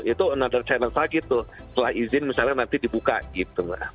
itu another challenge lagi tuh setelah izin misalnya nanti dibuka gitu